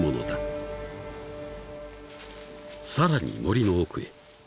［さらに森の奥へ］